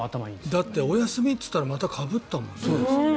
だってお休みって言ったらまたかぶったもんね。